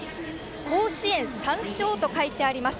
甲子園３勝と書いてあります。